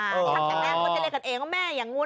ตั้งแต่แม่เขาจะเรียกกันเองว่าแม่อย่างนู้น